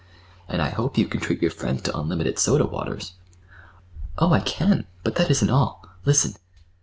And I hope you can treat your friends to unlimited soda waters." "Oh, I can! But that isn't all. Listen!"